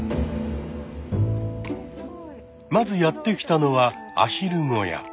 まずやって来たのはアヒル小屋。